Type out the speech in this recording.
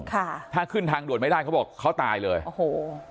ค่ะถ้าขึ้นทางด่วนไม่ได้เขาบอกเขาตายเลยโอ้โห